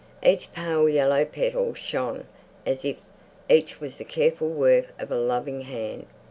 Each pale yellow petal shone as if each was the careful work of a loving hand.